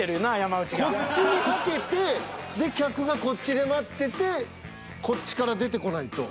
こっちにハケてで客がこっちで待っててこっちから出てこないと。